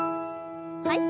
はい。